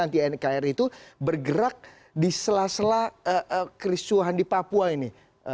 anti nkri itu bergerak di sela sela kericuhan di papua ini